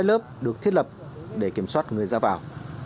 đang giao sắt hai lớp được thiết lập để kiểm soát người ra vào